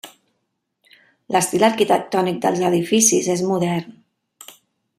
L'estil arquitectònic dels edificis és modern.